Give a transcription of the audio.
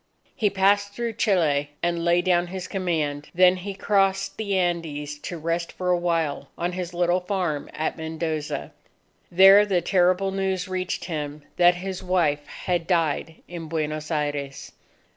He passed through Chile and laid down his command; then he crossed the Andes to rest for a while on his little farm at Mendoza. There the terrible news reached him that his wife had died in Buenos Aires.